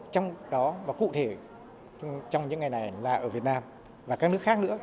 trong đó và cụ thể trong những ngày này là ở việt nam và các nước khác nữa